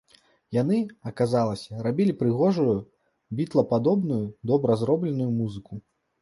Яны, аказалася, рабілі прыгожую бітлападобную добра зробленую музыку.